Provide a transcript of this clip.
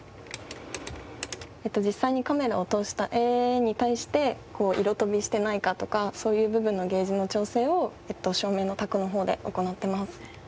実際にカメラを通した画に対してこう色飛びしてないかとかそういう部分のゲージの調整を照明の卓の方で行ってます。